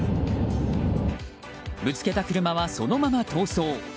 ぶつけた車はそのまま逃走。